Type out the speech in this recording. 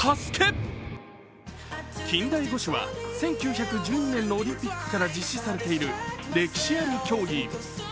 近代五種は１９１２年のオリンピックから実施されている歴史ある競技。